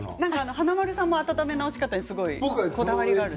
華丸さんも温め方にこだわりがあると。